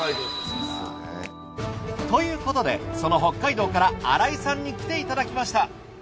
ということでその北海道から新井さんに来ていただきました。